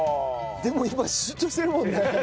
でも今シュッとしてるもんね。